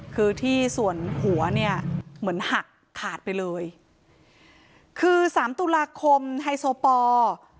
คือที่ส่วนหัวเนี่ยเหมือนหักขาดไปเลยคือสามตุลาคมไฮโซปอร์